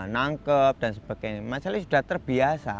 nangkep dan sebagainya masalahnya sudah terbiasa